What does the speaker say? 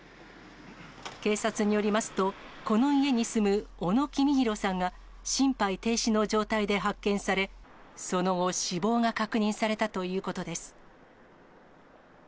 警察によりますと、この家に住む小野公宏さんが心肺停止の状態で発見され、その後、死亡が確認されたということです。